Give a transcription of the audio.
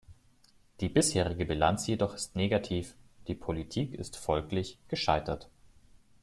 Die bisherige Bilanz jedoch ist negativ, die Politik ist folglich gescheitert.